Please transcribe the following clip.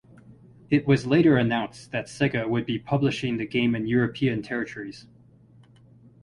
It was later announced that Sega would be publishing the game in European territories.